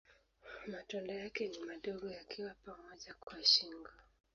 Matunda yake ni madogo yakiwa pamoja kwa shingo.